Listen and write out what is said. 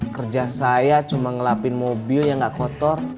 kerja saya cuma ngelapin mobil yang gak kotor